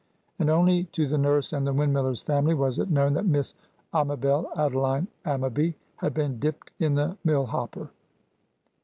And only to the nurse and the windmiller's family was it known that Miss Amabel Adeline Ammaby had been dipped in the mill hopper.